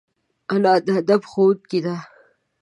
انا د ادب ښوونکې ده